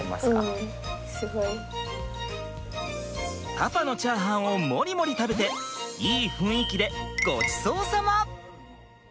パパのチャーハンをモリモリ食べていい雰囲気でごちそうさま！